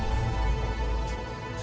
kasian tahu keatna